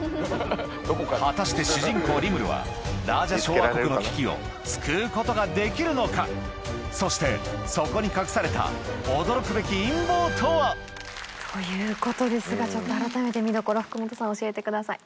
果たして主人公・リムルはラージャ小亜国の危機を救うことができるのかそしてそこに隠された驚くべき陰謀とは⁉ということですが改めて見どころ福本さん教えてください。